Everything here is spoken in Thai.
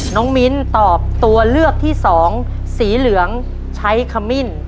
มิ้นตอบตัวเลือกที่สองสีเหลืองใช้ขมิ้น